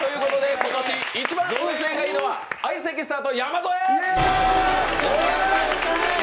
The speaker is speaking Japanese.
今年一番運勢がいいのは相席スタート・山添。